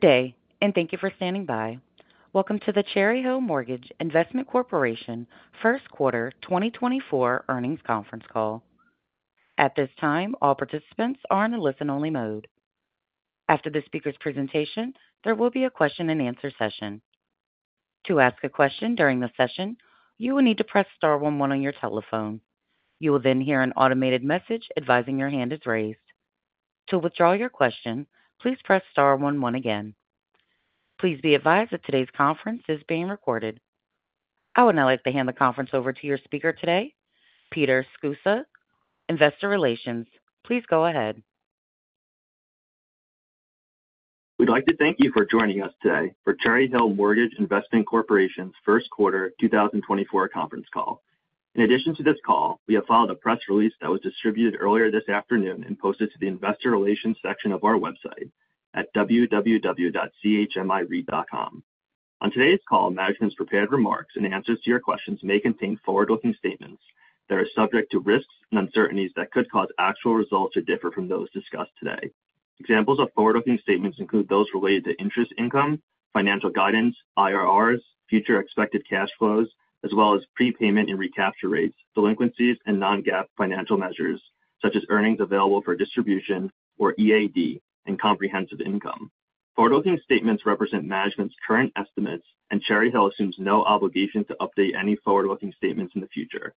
Good day, and thank you for standing by. Welcome to the Cherry Hill Mortgage Investment Corporation first quarter 2024 earnings conference call. At this time, all participants are in a listen-only mode. After the speaker's presentation, there will be a question-and-answer session. To ask a question during the session, you will need to press star one one on your telephone. You will then hear an automated message advising your hand is raised. To withdraw your question, please press star one one again. Please be advised that today's conference is being recorded. I would now like to hand the conference over to your speaker today, Peter Scusa, Investor Relations. Please go ahead. We'd like to thank you for joining us today for Cherry Hill Mortgage Investment Corporation's first quarter 2024 conference call. In addition to this call, we have filed a press release that was distributed earlier this afternoon and posted to the investor relations section of our website at www.chmire.com. On today's call, management's prepared remarks and answers to your questions may contain forward-looking statements that are subject to risks and uncertainties that could cause actual results to differ from those discussed today. Examples of forward-looking statements include those related to interest income, financial guidance, IRRs, future expected cash flows, as well as prepayment and recapture rates, delinquencies, and non-GAAP financial measures such as earnings available for distribution, or EAD, and comprehensive income. Forward-looking statements represent management's current estimates, and Cherry Hill assumes no obligation to update any forward-looking statements in the future.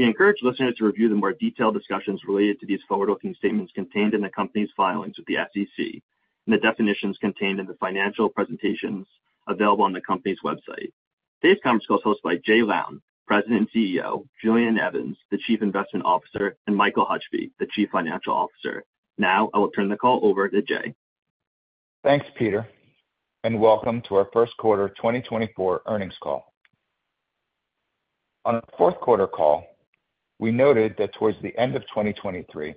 We encourage listeners to review the more detailed discussions related to these forward-looking statements contained in the company's filings with the SEC and the definitions contained in the financial presentations available on the company's website. Today's conference call is hosted by Jay Lown, President and CEO, Julian Evans, the Chief Investment Officer, and Michael Hutchby, the Chief Financial Officer. Now I will turn the call over to Jay. Thanks, Peter, and welcome to our first quarter 2024 earnings call. On our fourth quarter call, we noted that towards the end of 2023,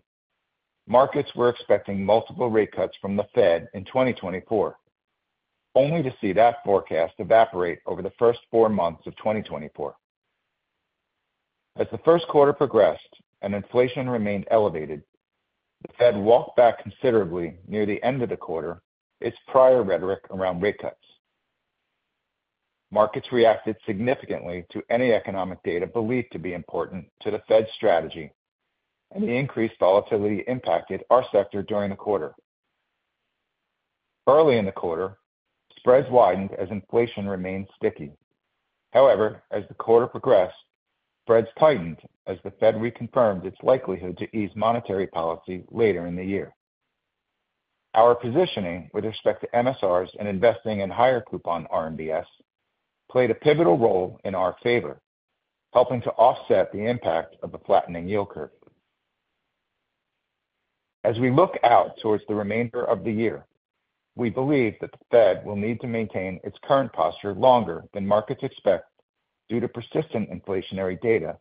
markets were expecting multiple rate cuts from the Fed in 2024, only to see that forecast evaporate over the first four months of 2024. As the first quarter progressed and inflation remained elevated, the Fed walked back considerably near the end of the quarter, its prior rhetoric around rate cuts. Markets reacted significantly to any economic data believed to be important to the Fed's strategy, and the increased volatility impacted our sector during the quarter. Early in the quarter, spreads widened as inflation remained sticky. However, as the quarter progressed, spreads tightened as the Fed reconfirmed its likelihood to ease monetary policy later in the year. Our positioning with respect to MSRs and investing in higher coupon RMBS played a pivotal role in our favor, helping to offset the impact of the flattening yield curve. As we look out towards the remainder of the year, we believe that the Fed will need to maintain its current posture longer than markets expect due to persistent inflationary data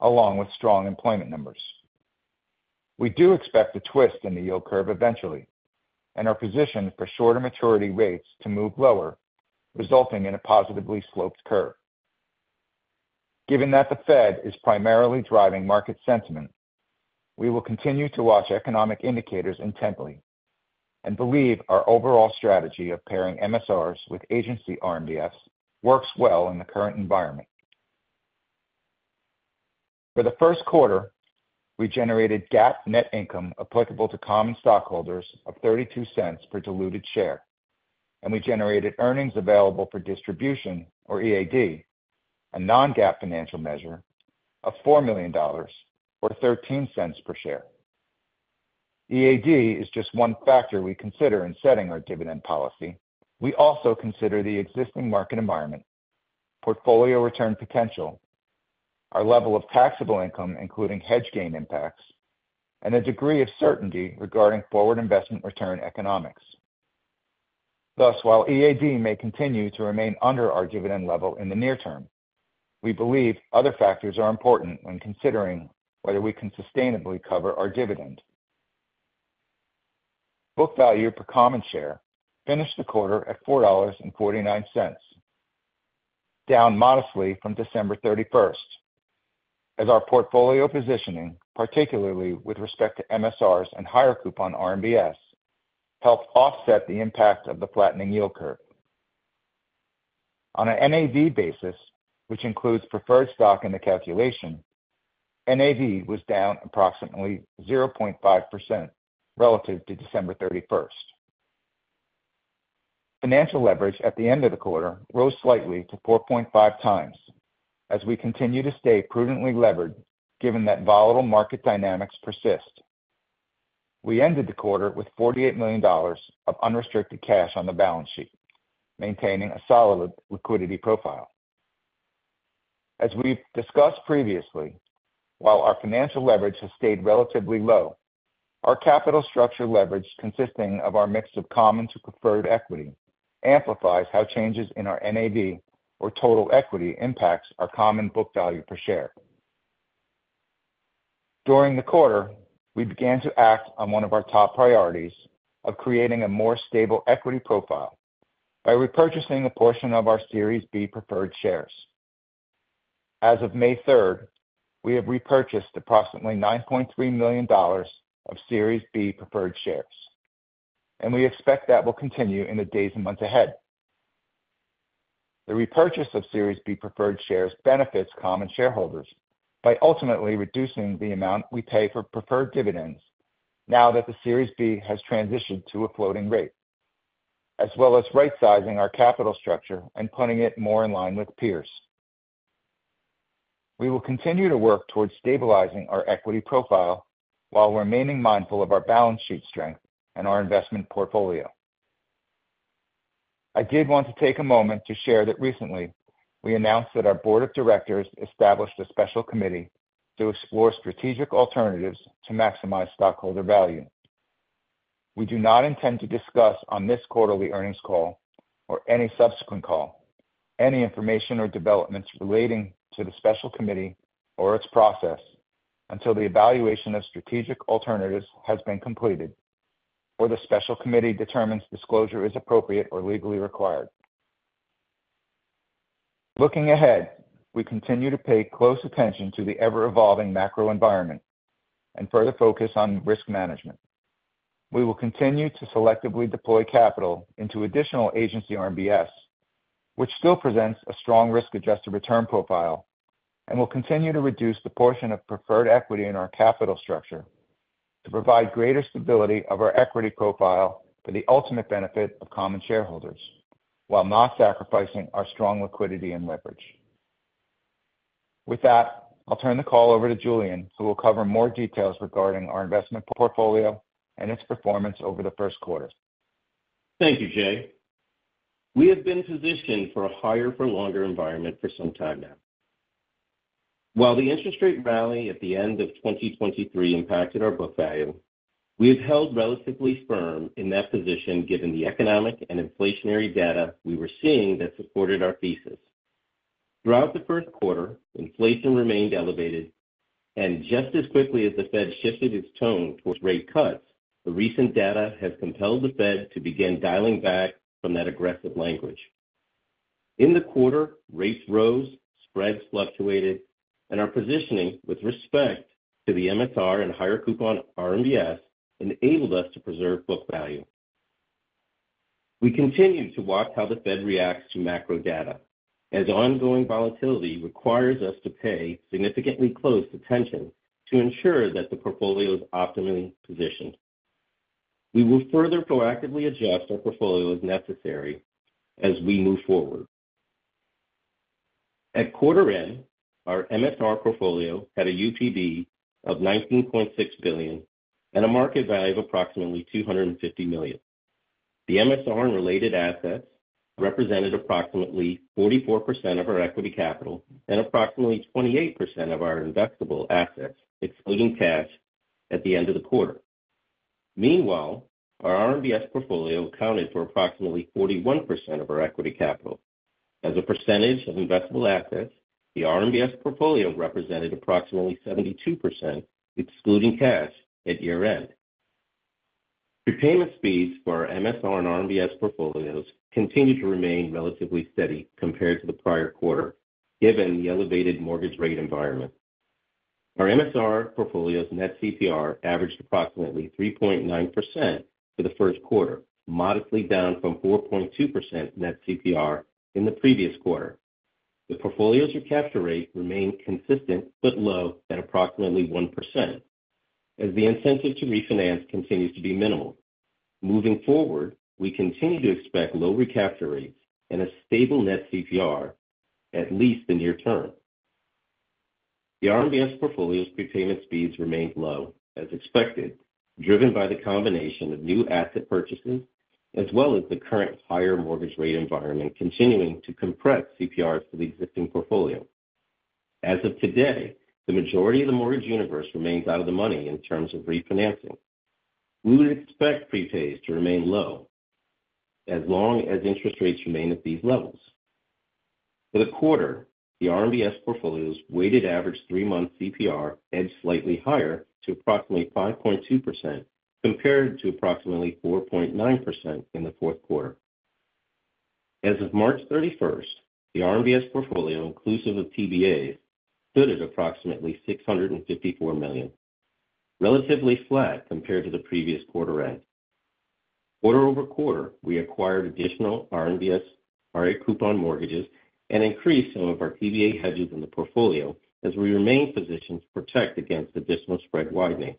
along with strong employment numbers. We do expect a twist in the yield curve eventually and are positioned for shorter maturity rates to move lower, resulting in a positively sloped curve. Given that the Fed is primarily driving market sentiment, we will continue to watch economic indicators intently and believe our overall strategy of pairing MSRs with agency RMBS works well in the current environment. For the first quarter, we generated GAAP net income applicable to common stockholders of $0.32 per diluted share, and we generated earnings available for distribution, or EAD, a non-GAAP financial measure of $4 million or $0.13 per share. EAD is just one factor we consider in setting our dividend policy. We also consider the existing market environment, portfolio return potential, our level of taxable income, including hedge gain impacts, and the degree of certainty regarding forward investment return economics. Thus, while EAD may continue to remain under our dividend level in the near term, we believe other factors are important when considering whether we can sustainably cover our dividend. Book value per common share finished the quarter at $4.49, down modestly from December 31st, as our portfolio positioning, particularly with respect to MSRs and higher coupon RMBS, helped offset the impact of the flattening yield curve. On an NAV basis, which includes preferred stock in the calculation, NAV was down approximately 0.5% relative to December 31st. Financial leverage at the end of the quarter rose slightly to 4.5x as we continue to stay prudently levered, given that volatile market dynamics persist. We ended the quarter with $48 million of unrestricted cash on the balance sheet, maintaining a solid liquidity profile. As we've discussed previously, while our financial leverage has stayed relatively low, our capital structure leverage, consisting of our mix of common to preferred equity, amplifies how changes in our NAV or total equity impacts our common book value per share. During the quarter, we began to act on one of our top priorities of creating a more stable equity profile by repurchasing a portion of our Series B preferred shares. As of May 3rd, we have repurchased approximately $9.3 million of Series B preferred shares, and we expect that will continue in the days and months ahead. The repurchase of Series B preferred shares benefits common shareholders by ultimately reducing the amount we pay for preferred dividends now that the Series B has transitioned to a floating rate, as well as rightsizing our capital structure and putting it more in line with peers. We will continue to work towards stabilizing our equity profile while remaining mindful of our balance sheet strength and our investment portfolio. I did want to take a moment to share that recently we announced that our board of directors established a special committee to explore strategic alternatives to maximize stockholder value. We do not intend to discuss on this quarterly earnings call or any subsequent call, any information or developments relating to the special committee or its process until the evaluation of strategic alternatives has been completed, or the special committee determines disclosure is appropriate or legally required. Looking ahead, we continue to pay close attention to the ever-evolving macro environment and further focus on risk management. We will continue to selectively deploy capital into additional agency RMBS, which still presents a strong risk-adjusted return profile and will continue to reduce the portion of preferred equity in our capital structure to provide greater stability of our equity profile for the ultimate benefit of common shareholders, while not sacrificing our strong liquidity and leverage. With that, I'll turn the call over to Julian, who will cover more details regarding our investment portfolio and its performance over the first quarter. Thank you, Jay. We have been positioned for a higher for longer environment for some time now. While the interest rate rally at the end of 2023 impacted our book value, we have held relatively firm in that position, given the economic and inflationary data we were seeing that supported our thesis. Throughout the first quarter, inflation remained elevated, and just as quickly as the Fed shifted its tone towards rate cuts, the recent data has compelled the Fed to begin dialing back from that aggressive language. In the quarter, rates rose, spreads fluctuated, and our positioning with respect to the MSR and higher coupon RMBS enabled us to preserve book value. We continue to watch how the Fed reacts to macro data, as ongoing volatility requires us to pay significantly close attention to ensure that the portfolio is optimally positioned. We will further proactively adjust our portfolio as necessary as we move forward. At quarter end, our MSR portfolio had a UPB of $19.6 billion and a market value of approximately $250 million. The MSR and related assets represented approximately 44% of our equity capital and approximately 28% of our investable assets, excluding cash, at the end of the quarter. Meanwhile, our RMBS portfolio accounted for approximately 41% of our equity capital. As a percentage of investable assets, the RMBS portfolio represented approximately 72%, excluding cash, at year-end. Prepayment speeds for our MSR and RMBS portfolios continued to remain relatively steady compared to the prior quarter, given the elevated mortgage rate environment. Our MSR portfolio's net CPR averaged approximately 3.9% for the first quarter, modestly down from 4.2% net CPR in the previous quarter. The portfolio's recapture rate remained consistent, but low at approximately 1%, as the incentive to refinance continues to be minimal. Moving forward, we continue to expect low recapture rates and a stable net CPR at least in the near term. The RMBS portfolio's prepayment speeds remained low as expected, driven by the combination of new asset purchases as well as the current higher mortgage rate environment continuing to compress CPRs for the existing portfolio. As of today, the majority of the mortgage universe remains out of the money in terms of refinancing. We would expect prepays to remain low as long as interest rates remain at these levels. For the quarter, the RMBS portfolio's weighted average three-month CPR edged slightly higher to approximately 5.2%, compared to approximately 4.9% in the fourth quarter. As of March 31, the RMBS portfolio, inclusive of TBAs, stood at approximately $654 million, relatively flat compared to the previous quarter-end. Quarter-over-quarter, we acquired additional RMBS higher coupon mortgages, and increased some of our TBA hedges in the portfolio as we remain positioned to protect against additional spread widening.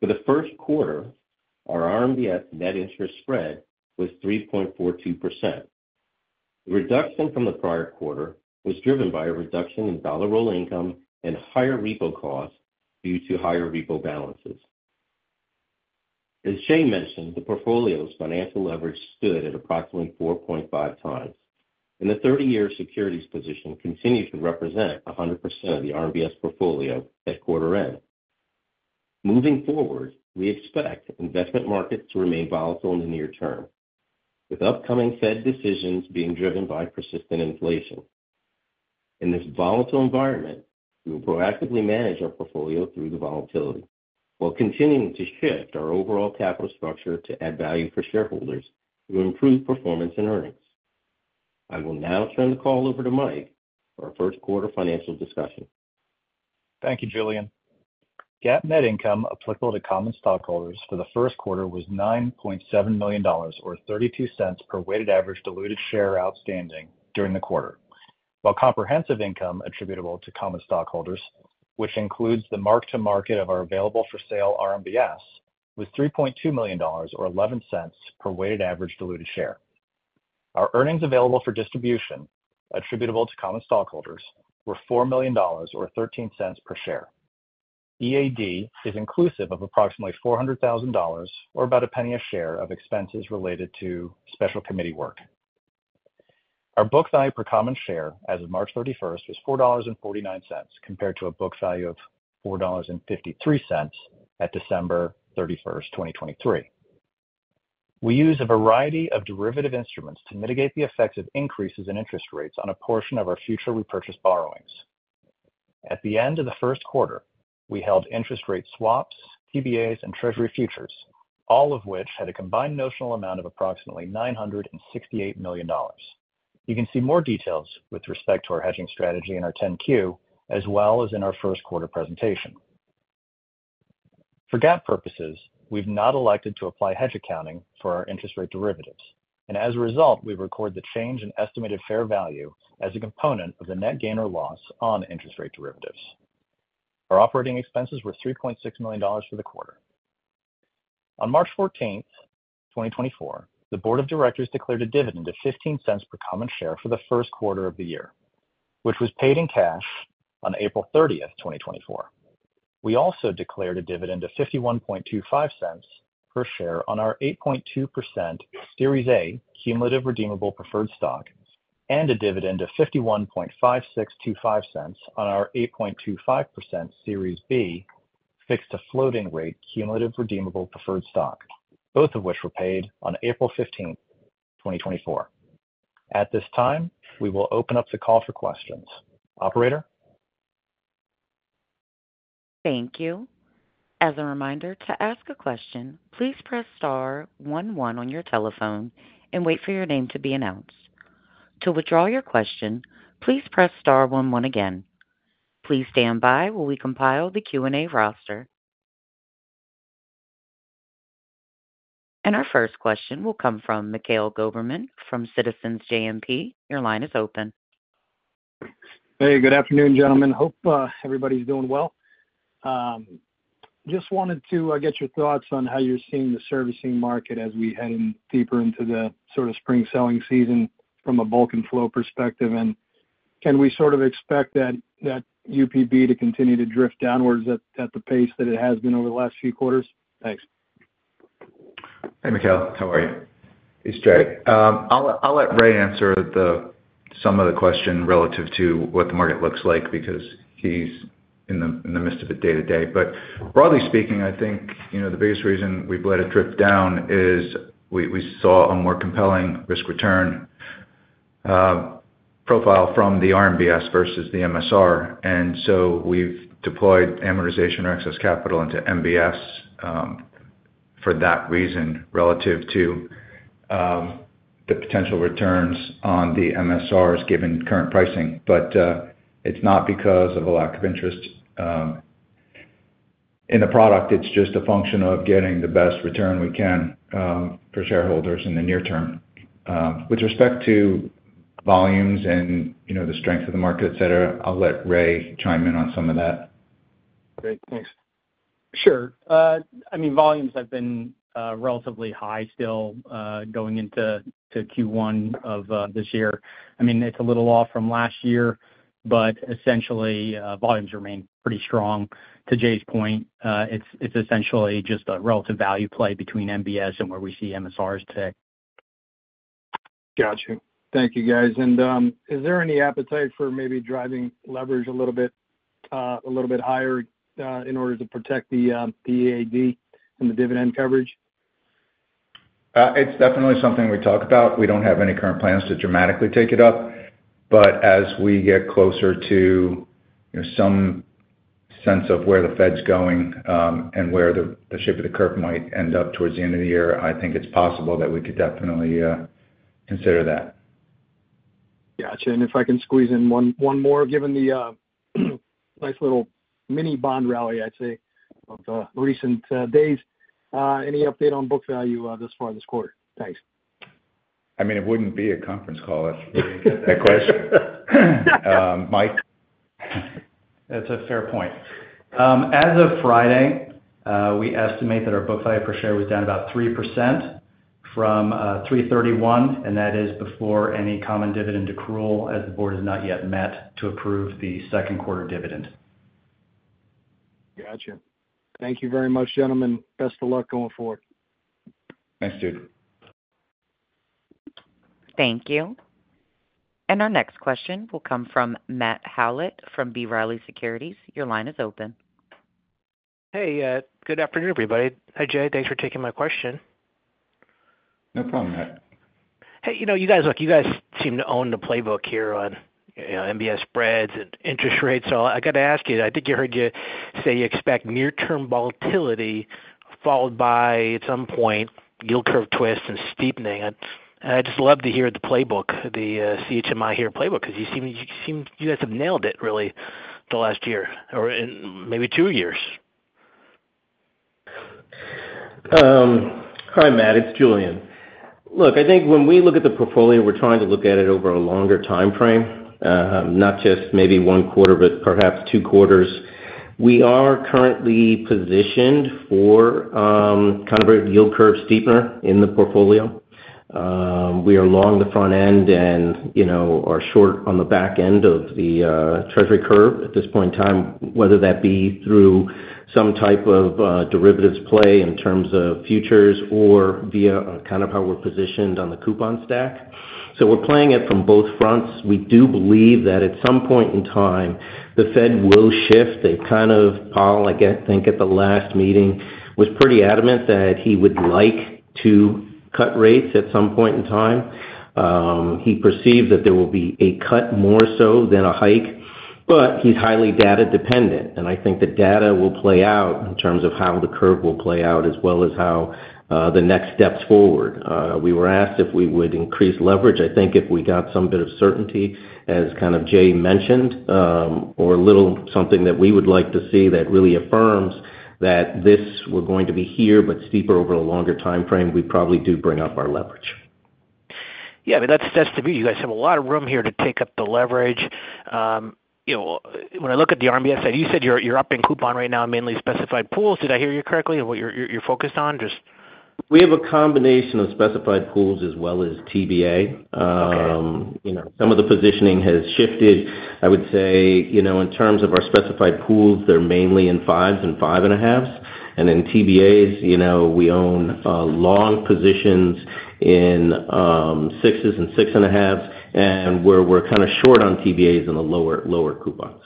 For the first quarter, our RMBS net interest spread was 3.42%. The reduction from the prior quarter was driven by a reduction in dollar roll income and higher repo costs due to higher repo balances. As Jay mentioned, the portfolio's financial leverage stood at approximately 4.5x, and the 30-year securities position continued to represent 100% of the RMBS portfolio at quarter-end. Moving forward, we expect investment markets to remain volatile in the near term, with upcoming Fed decisions being driven by persistent inflation. In this volatile environment, we will proactively manage our portfolio through the volatility, while continuing to shift our overall capital structure to add value for shareholders to improve performance and earnings. I will now turn the call over to Mike for our first quarter financial discussion. Thank you, Julian. GAAP net income applicable to common stockholders for the first quarter was $9.7 million, or $0.32 per weighted average diluted share outstanding during the quarter. While comprehensive income attributable to common stockholders, which includes the mark-to-market of our available for sale RMBS, was $3.2 million, or $0.11 per weighted average diluted share. Our earnings available for distribution attributable to common stockholders were $4 million, or $0.13 per share. EAD is inclusive of approximately $400,000, or about $0.01 per share, of expenses related to special committee work. Our book value per common share as of March 31 was $4.49, compared to a book value of $4.53 at December 31, 2023. We use a variety of derivative instruments to mitigate the effects of increases in interest rates on a portion of our future repurchase borrowings. At the end of the first quarter, we held interest rate swaps, TBAs, and Treasury futures, all of which had a combined notional amount of approximately $968 million. You can see more details with respect to our hedging strategy in our 10-Q, as well as in our first quarter presentation. For GAAP purposes, we've not elected to apply hedge accounting for our interest rate derivatives, and as a result, we've recorded the change in estimated fair value as a component of the net gain or loss on interest rate derivatives. Our operating expenses were $3.6 million for the quarter. On March fourteenth, 2024, the board of directors declared a dividend of $0.15 per common share for the first quarter of the year, which was paid in cash on April thirtieth, 2024. We also declared a dividend of $0.5125 per share on our 8.2% Series A Cumulative Redeemable Preferred Stock, and a dividend of $0.515625 on our 8.25% Series B Fixed-to-Floating Rate Cumulative Redeemable Preferred Stock, both of which were paid on April fifteenth, 2024. At this time, we will open up the call for questions. Operator? Thank you. As a reminder, to ask a question, please press star one one on your telephone and wait for your name to be announced. To withdraw your question, please press star one one again. Please stand by while we compile the Q&A roster. Our first question will come from Mikhail Goberman from Citizens JMP. Your line is open. Hey, good afternoon, gentlemen. Hope everybody's doing well. Just wanted to get your thoughts on how you're seeing the servicing market as we head in deeper into the sort of spring selling season from a bulk and flow perspective. And can we sort of expect that UPB to continue to drift downwards at the pace that it has been over the last few quarters? Thanks. Hey, Mikhail, how are you? It's Jay. I'll let Ray answer some of the question relative to what the market looks like, because he's in the midst of it day-to-day. But broadly speaking, I think, you know, the biggest reason we've let it drift down is we saw a more compelling risk return profile from the RMBS versus the MSR. And so we've deployed amortization or excess capital into MBS for that reason, relative to the potential returns on the MSRs, given current pricing. But it's not because of a lack of interest in the product. It's just a function of getting the best return we can for shareholders in the near term. With respect to volumes and, you know, the strength of the market, et cetera, I'll let Ray chime in on some of that. Great, thanks. Sure. I mean, volumes have been relatively high still, going into Q1 of this year. I mean, it's a little off from last year, but essentially, volumes remain pretty strong. To Jay's point, it's essentially just a relative value play between MBS and where we see MSRs today. Got you. Thank you, guys. And is there any appetite for maybe driving leverage a little bit, a little bit higher, in order to protect the, the EAD and the dividend coverage? It's definitely something we talk about. We don't have any current plans to dramatically take it up, but as we get closer to, you know, some sense of where the Fed's going, and where the shape of the curve might end up towards the end of the year, I think it's possible that we could definitely consider that. Gotcha. And if I can squeeze in one more, given the nice little mini bond rally, I'd say, of recent days, any update on book value thus far this quarter? Thanks. I mean, it wouldn't be a conference call if we didn't get that question. Mike? That's a fair point. As of Friday, we estimate that our book value per share was down about 3% from 3/31, and that is before any common dividend accrual, as the board has not yet met to approve the second quarter dividend. Gotcha. Thank you very much, gentlemen. Best of luck going forward. Thanks, dude. Thank you. Our next question will come from Matt Howlett from B. Riley Securities. Your line is open. Hey, good afternoon, everybody. Hi, Jay, thanks for taking my question. No problem, Matt. Hey, you know, you guys, look, you guys seem to own the playbook here on, you know, MBS spreads and interest rates. So I got to ask you, I think I heard you say you expect near-term volatility, followed by, at some point, yield curve twists and steepening. And I'd just love to hear the playbook, the, CHMI here playbook, because you seem, you guys have nailed it really the last year or in maybe two years. Hi, Matt, it's Julian. Look, I think when we look at the portfolio, we're trying to look at it over a longer time frame, not just maybe one quarter, but perhaps two quarters. We are currently positioned for kind of a yield curve steeper in the portfolio. We are long the front end and, you know, are short on the back end of the Treasury curve at this point in time, whether that be through some type of derivatives play in terms of futures or via kind of how we're positioned on the coupon stack. So we're playing it from both fronts. We do believe that at some point in time, the Fed will shift. They've kind of, Powell, I guess, think at the last meeting, was pretty adamant that he would like to cut rates at some point in time. He perceived that there will be a cut more so than a hike, but he's highly data dependent, and I think the data will play out in terms of how the curve will play out, as well as how the next steps forward. We were asked if we would increase leverage. I think if we got some bit of certainty, as kind of Jay mentioned, or a little something that we would like to see that really affirms that this, we're going to be here, but steeper over a longer time frame, we probably do bring up our leverage. Yeah, but that's to me, you guys have a lot of room here to take up the leverage. You know, when I look at the RMBS side, you said you're upping coupon right now, mainly specified pools. Did I hear you correctly on what you're focused on, just? We have a combination of specified pools as well as TBA. Okay. You know, some of the positioning has shifted. I would say, you know, in terms of our specified pools, they're mainly in 5s and 5.5s. And in TBAs, you know, we own long positions in 6s and 6.5s, and we're kind of short on TBAs in the lower coupons.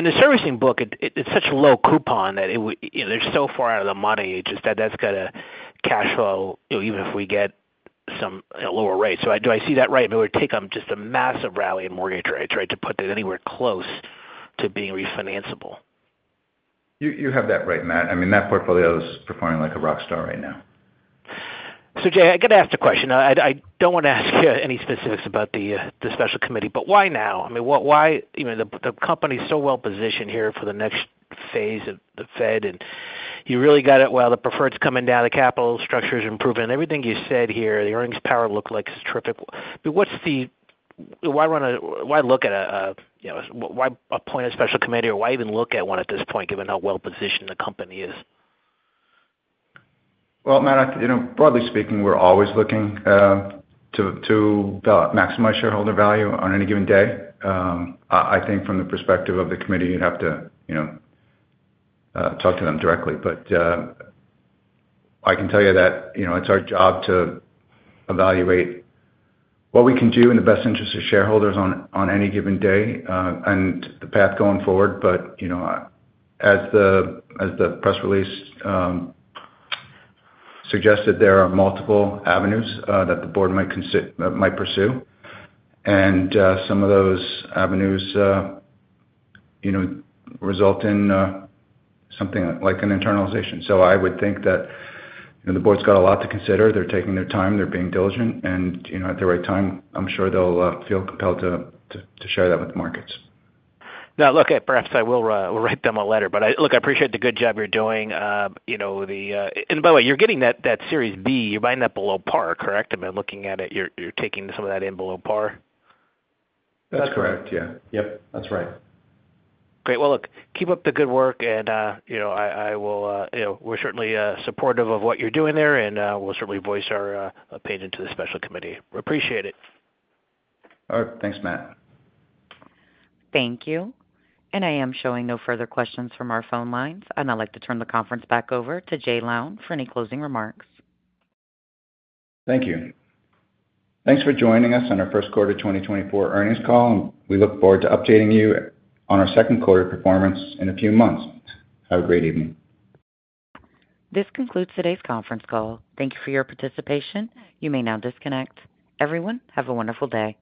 In the servicing book, it's such a low coupon that they're so far out of the money. That's got a cash flow, you know, even if we get some lower rates. So do I see that right? It would take just a massive rally in mortgage rates, right, to put that anywhere close to being refinanceable. You have that right, Matt. I mean, that portfolio is performing like a rock star right now. So, Jay, I got to ask the question. I don't want to ask you any specifics about the, the special committee, but why now? I mean, what - why... You know, the, the company is so well positioned here for the next phase of the Fed, and you really got it well. The preferred's coming down, the capital structure is improving, and everything you said here, the earnings power look like it's terrific. But what's the - why run a - why look at a, a, you know, why appoint a special committee or why even look at one at this point, given how well positioned the company is? Well, Matt, you know, broadly speaking, we're always looking to maximize shareholder value on any given day. I think from the perspective of the committee, you'd have to, you know, talk to them directly. But I can tell you that, you know, it's our job to evaluate what we can do in the best interest of shareholders on any given day and the path going forward. But you know, as the press release suggested, there are multiple avenues that the board might pursue, and some of those avenues, you know, result in something like an internalization. So I would think that, you know, the board's got a lot to consider. They're taking their time, they're being diligent, and, you know, at the right time, I'm sure they'll feel compelled to share that with the markets. Now, look, perhaps I will write them a letter, but look, I appreciate the good job you're doing. You know, and by the way, you're getting that, that Series B, you're buying that below par, correct? I mean, looking at it, you're taking some of that in below par? That's correct. Yeah. Yep, that's right. Great. Well, look, keep up the good work, and you know, I will, you know, we're certainly supportive of what you're doing there, and we'll certainly voice our opinion to the special committee. We appreciate it. All right. Thanks, Matt. Thank you. I am showing no further questions from our phone lines. I'd now like to turn the conference back over to Jay Lown for any closing remarks. Thank you. Thanks for joining us on our first quarter 2024 earnings call, and we look forward to updating you on our second quarter performance in a few months. Have a great evening. This concludes today's conference call. Thank you for your participation. You may now disconnect. Everyone, have a wonderful day.